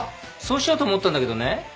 そうしようと思ったんだけどね